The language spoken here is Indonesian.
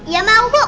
ya mau bu